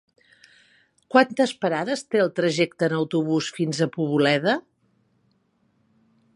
Quantes parades té el trajecte en autobús fins a Poboleda?